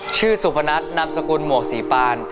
สุพนัทนามสกุลหมวกศรีปาน